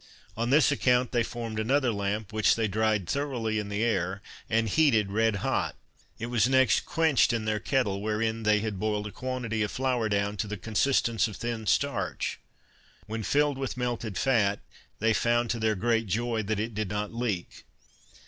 On this account they formed another lamp, which they dried thoroughly in the air, and heated red hot. It was next quenched in their kettle, wherein they had boiled a quantity of flour down to the consistence of thin starch. When filled with melted fat, they found to their great joy that it did not leak.